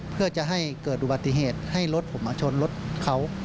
เพื่อจะให้เกิดอุบัติเหตุให้รถผมมาชนรถเขา